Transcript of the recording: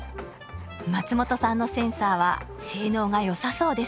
松本さんのセンサーは性能が良さそうですね。